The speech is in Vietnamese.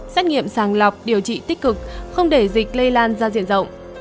xét nghiệm sàng lọc điều trị tích cực không để dịch lây lan ra diện rộng